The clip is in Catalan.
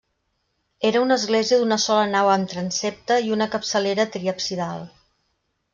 Era una església d'una sola nau amb transsepte i una capçalera triabsidal.